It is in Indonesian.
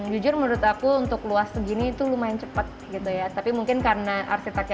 jujur menurut aku untuk luas segini itu lumayan cepat gitu ya tapi mungkin karena arsiteknya